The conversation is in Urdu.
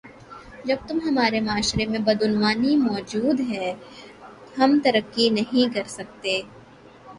جب تم ہمارے معاشرے میں بدعنوانی موجود ہے ہم ترقی نہیں کرسکتے